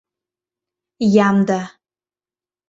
— Ямде...